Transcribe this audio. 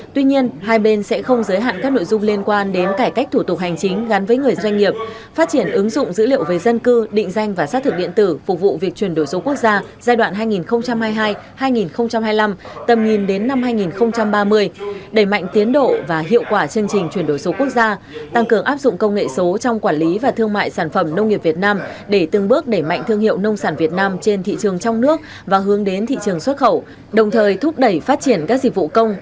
tuy nhiên hai bên sẽ không giới hạn các nội dung liên quan đến cải cách thủ tục hành chính gắn với người doanh nghiệp phát triển ứng dụng dữ liệu về dân cư định danh và xác thực điện tử phục vụ việc chuyển đổi số quốc gia giai đoạn hai nghìn hai mươi hai hai nghìn hai mươi năm tầm nhìn đến năm hai nghìn ba mươi đẩy mạnh tiến độ và hiệu quả chương trình chuyển đổi số quốc gia tăng cường áp dụng công nghệ số trong quản lý và thương mại sản phẩm nông nghiệp việt nam để từng bước đẩy mạnh thương hiệu nông sản việt nam trên thị trường trong nước và hướng đến thị trường xuất khẩu đồng thời thúc đẩy phát triển các